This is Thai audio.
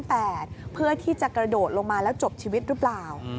เพื่อที่จะกระโดดลงมาแล้วจบชีวิตหรือเปล่า